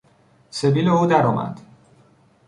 سبیل او در آمد.